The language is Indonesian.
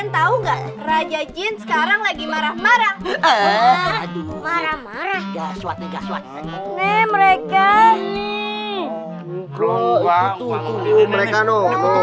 tahu nggak raja jin sekarang lagi marah marah aduh marah marah gaswat gaswat mereka ini